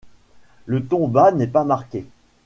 Le ton bas n’est pas marqué.